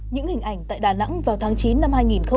những hình ảnh tại đà nẵng vào tháng chín năm hai nghìn hai mươi hai